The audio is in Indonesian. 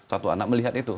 satu anak melihat itu